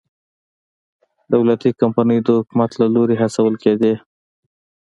دولتي کمپنۍ د حکومت له لوري هڅول کېدې.